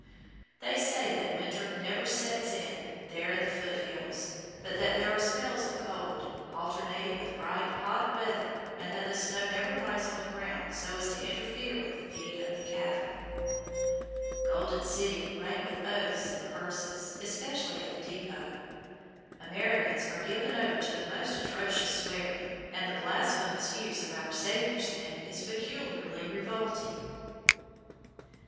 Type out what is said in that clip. They say that winter never "sets in" there in the Foot Hills, but that there are spells of cold, alternating with bright, hot weather, and that the snow never lies on the ground so as to interfere with the feed of cattle. Golden City rang with oaths and curses, especially at the depot. Americans are given over to the most atrocious swearing, and the blasphemous use of our Savior's name is peculiarly revolting.